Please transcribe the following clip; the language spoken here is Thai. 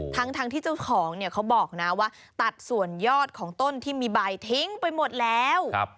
ทั้งที่เจ้าของเนี่ยเขาบอกนะว่าตัดส่วนยอดของต้นที่มีใบทิ้งไปหมดแล้ว